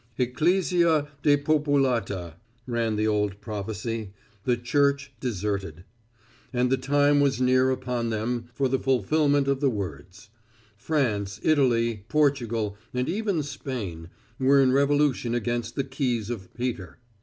Ecclesia Depopulata, ran the old prophecy, the Church deserted. And the time was near upon them for the fulfillment of the words. France, Italy, Portugal, and even Spain, were in revolution against the Keys of Peter.